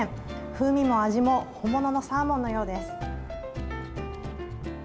風味も味も本物のサーモンのようです。